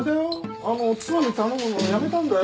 あのおつまみ頼むのやめたんだよ。